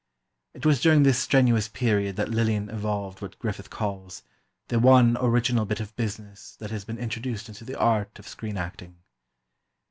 It was during this strenuous period that Lillian evolved what Griffith calls "the one original bit of business that has been introduced into the art of screen acting."